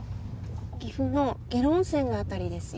岐阜の下呂温泉の辺りですよ。